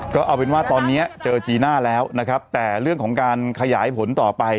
ก็เอาเป็นว่าตอนนี้เจอจีน่าแล้วนะครับแต่เรื่องของการขยายผลต่อไป